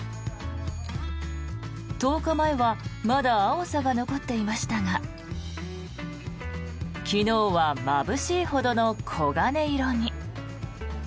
１０日前はまだ青さが残っていましたが昨日はまぶしいほどの黄金色に。